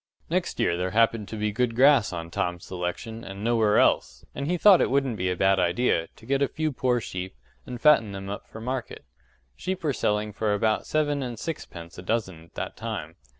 Next year there happened to be good grass on Tom's selection and nowhere else, and he thought it wouldn't be a bad idea to get a few poor sheep, and fatten them up for market: sheep were selling for about seven and sixpence a dozen at that time.